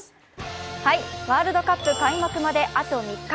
ワールドカップ開幕まであと３日。